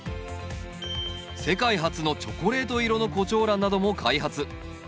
世界初のチョコレート色のコチョウランなども開発。